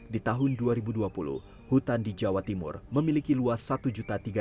di tahun dua ribu dua puluh hutan di jawa timur memiliki luas satu tiga ratus